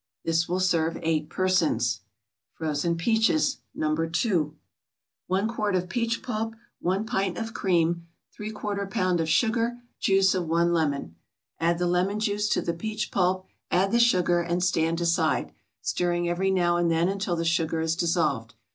This will serve eight persons. FROZEN PEACHES, No. 2 1 quart of peach pulp 1 pint of cream 3/4 pound of sugar Juice of one lemon Add the lemon juice to the peach pulp, add the sugar, and stand aside, stirring every now and then until the sugar is dissolved.